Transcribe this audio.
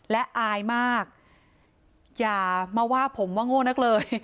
และอายมากอย่ามาว่าผมว่าโง่นักเลย